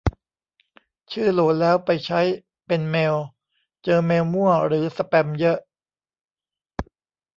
ชื่อโหลแล้วไปใช้เป็นเมล เจอเมลมั่วหรือสแปมเยอะ